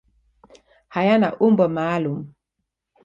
Hayana umbo maalum.